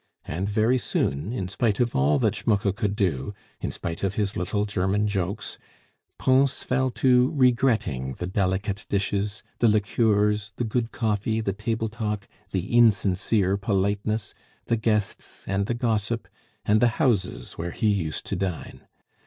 And very soon, in spite of all that Schmucke could do, in spite of his little German jokes, Pons fell to regretting the delicate dishes, the liqueurs, the good coffee, the table talk, the insincere politeness, the guests, and the gossip, and the houses where he used to dine.